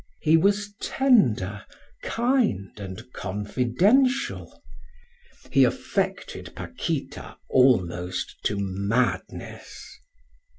He was tender, kind, and confidential. He affected Paquita almost to madness.